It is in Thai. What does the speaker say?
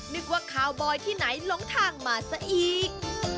นึกว่าคาวบอยที่ไหนหลงทางมาซะอีก